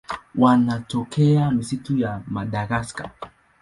Wanatokea misitu ya Madagaska.